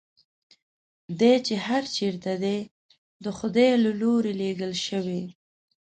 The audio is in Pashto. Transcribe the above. دی چې هر چېرته دی د خدای له لوري لېږل شوی.